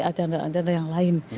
arkanra arkanra yang lain